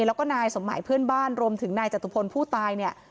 แล้วก็นายสมหมายเพื่อนบ้านรวมถึงนายจตุพลผู้ตายเนี่ย